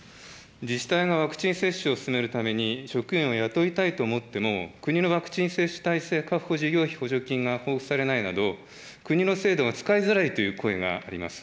自治体のワクチン接種を進めるために、職員を雇いたいと思っても、国のワクチン接種体制確保事業費補助金が交付されないなど、国の制度が使いづらいという声があります。